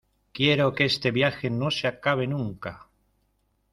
quiero que este viaje no se acabe nunca.